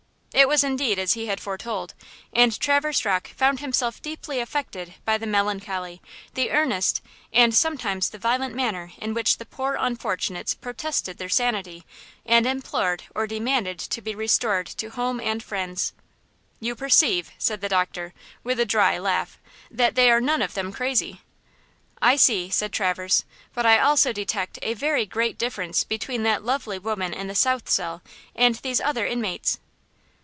It was indeed as he had foretold, and Traverse Rocke found himself deeply affected by the melancholy, the earnest and sometimes the violent manner in which the poor unfortunates protested their sanity and implored or demanded to be restored to home and friends. "You perceive," said the doctor, with a dry laugh, "that they are none of them crazy?" "I see," said Traverse, "but I also detect a very great difference between that lovely woman in the south cell and these other inmates."